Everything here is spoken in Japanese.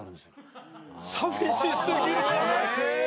寂し過ぎる。